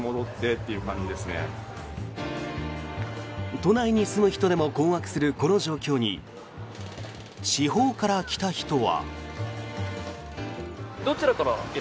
都内に住む人でも困惑するこの状況に地方から来た人は。